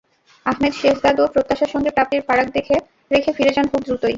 আহমেদ শেহজাদও প্রত্যাশার সঙ্গে প্রাপ্তির ফারাক রেখে ফিরে যান খুব দ্রুতই।